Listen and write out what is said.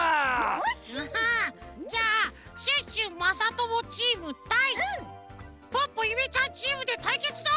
ハハッじゃあシュッシュまさともチームたいポッポゆめちゃんチームでたいけつだ！